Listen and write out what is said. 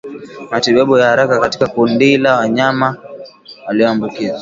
Matibabu ya haraka katika kundila wanyama walioambukizwa